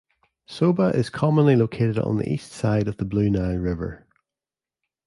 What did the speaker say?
Soba is commonly located on the east side of the Blue Nile river.